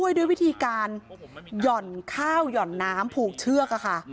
ด้วยวิธีการหย่อนข้าวหย่อนน้ำผูกเชือกค่ะ